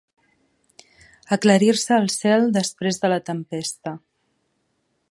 Aclarir-se el cel després de la tempesta.